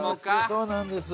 そうなんです。